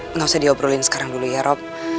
nggak usah diobrolin sekarang dulu ya rob